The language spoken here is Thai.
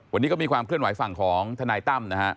วันนี้ก็มีความเคลื่อนไหวฝั่งของทนายตั้มนะฮะ